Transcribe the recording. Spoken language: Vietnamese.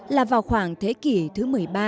là vào khoảng thế kỷ thứ một mươi ba